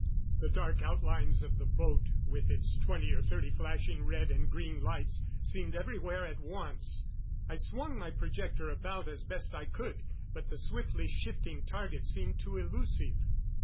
The dark outlines of the boat, with its twenty or thirty flashing red and green lights, seemed everywhere at once. I swung my projector about as best I could, but the swiftly shifting target seemed too elusive.